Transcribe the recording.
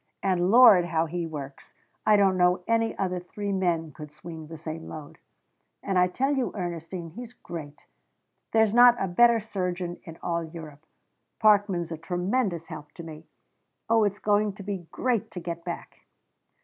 And Lord, how he works! I don't know any other three men could swing the same load. And I tell you, Ernestine, he's great. There's not a better surgeon in all Europe. Parkman's a tremendous help to me. Oh, it's going to be great to get back!"